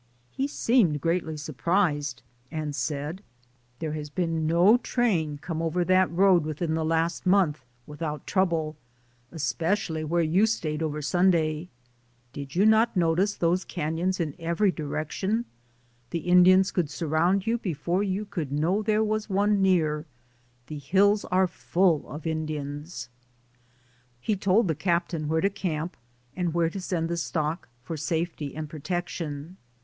He seemed greatly surprised, and said, "There has been no train come over that road within the last month without trouble, espe cially where you stayed over Sunday. Did not you notice those caiions in every direc 142 DAYS ON THE ROAD. tion? The Indians could surround you be fore you could know there was one near. The hills are full of Indians." He told the captain where to camp, and where to send the stock for safety and pro tection.